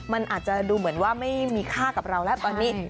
มันอาจจะดูเหมือนว่าไม่มีค่ากับเราแล้วตอนนี้